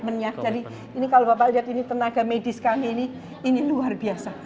ini kalau bapak lihat ini tenaga medis kami ini ini luar biasa